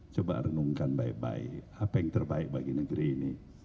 coba renungkan baik baik apa yang terbaik bagi negeri ini